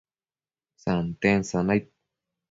santen sanaid